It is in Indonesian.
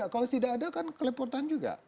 kalau tidak ada kan kelepotan juga